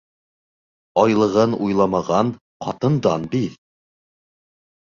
Айлығын уйламаған ҡатындан биҙ.